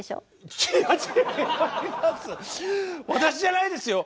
私じゃないですよ。